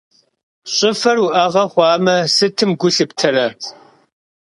ЩӀыфэр уӀэгъэ хъуамэ, сытым гу лъыптэрэ?